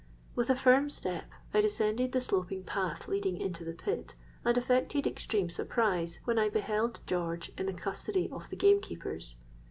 With a firm step I descended the sloping path leading into the pit, and affected extreme surprise when I beheld George in the custody of the gamekeepers.